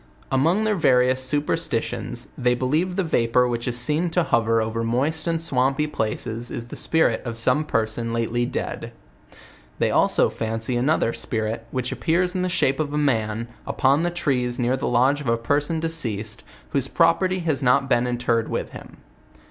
Among their various superstitions, they believe the vapor which is seen to hover over moist and swampy places is the spirit of some person lately dead. They also fancy another spirit, which appears in the shape of a man, upon the trees near the lodge of a person deceased, whose property has not been interred with him.